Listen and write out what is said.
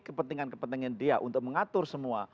kepentingan kepentingan dia untuk mengatur semua